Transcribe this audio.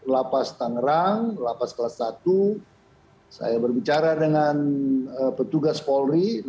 lapas tangerang lapas kelas satu saya berbicara dengan petugas polri